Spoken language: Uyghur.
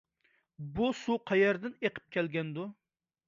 بۇ سۇ قەيەردىن ئېقىپ كەلگەندۇ؟